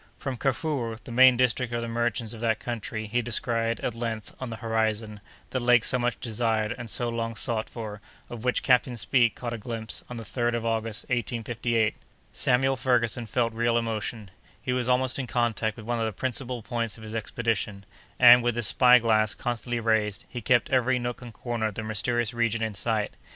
From Kafuro, the main district of the merchants of that country, he descried, at length, on the horizon, the lake so much desired and so long sought for, of which Captain Speke caught a glimpse on the 3d of August, 1858. Samuel Ferguson felt real emotion: he was almost in contact with one of the principal points of his expedition, and, with his spy glass constantly raised, he kept every nook and corner of the mysterious region in sight.